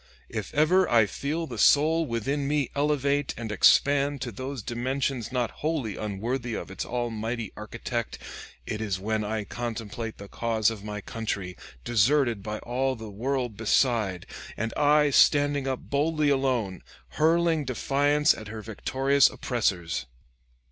If ever I feel the soul within me elevate and expand to those dimensions not wholly unworthy of its almighty architect, it is when I contemplate the cause of my country, deserted by all the world beside, and I standing up boldly alone, hurling defiance at her victorious oppressors.